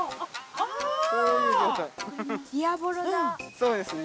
そうですね。